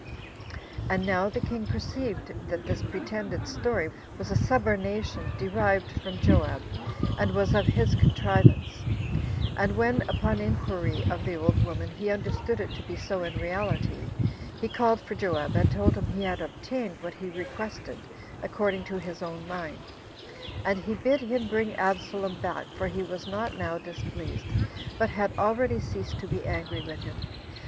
And now the king perceived that this pretended story was a subornation derived from Joab, and was of his contrivance; and when, upon inquiry of the old woman, he understood it to be so in reality, he called for Joab, and told him he had obtained what he requested according to his own mind; and he bid him bring Absalom back, for he was not now displeased, but had already ceased to be angry with him.